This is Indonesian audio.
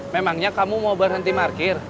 memangnya kamu mau berhenti parkir